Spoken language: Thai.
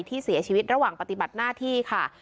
ที่เสียชีวิตระหว่างปฏิบัติหน้าที่ค่ะ